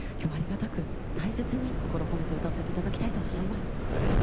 今日はありがたく大切にこの歌を歌わせていただきたいと思います。